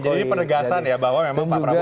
jadi ini penegasan ya bahwa memang pak prabowo